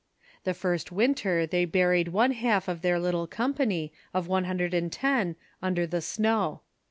The first Avintcr they buried one half of their little company of one hundred and ten under the snow.